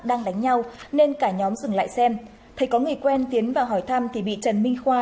đang đánh nhau nên cả nhóm dừng lại xem thấy có người quen tiến vào hỏi thăm thì bị trần minh khoa